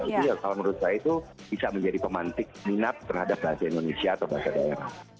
itu kalau menurut saya itu bisa menjadi pemantik minat terhadap bahasa indonesia atau bahasa daerah